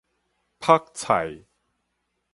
覆菜